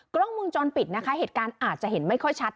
กล้องวงจรปิดนะคะเหตุการณ์อาจจะเห็นไม่ค่อยชัด